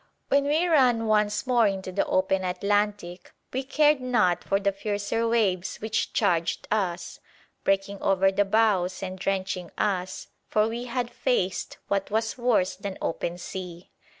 When we ran once more into the open Atlantic, we cared not for the fiercer waves which charged us, breaking over the bows and drenching us, for we had faced what was worse than open sea.